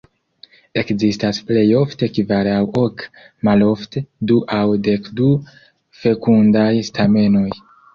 Ekzistas plej ofte kvar aŭ ok, malofte du aŭ dekdu fekundaj stamenoj.